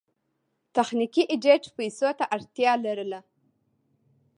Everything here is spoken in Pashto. تخنیکي ایډېټ پیسو ته اړتیا لرله.